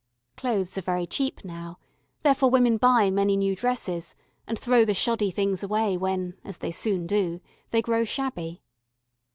Clothes are very cheap now therefore women buy many new dresses, and throw the shoddy things away when, as they soon do, they grow shabby.